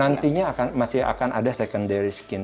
nantinya masih akan ada secondary skin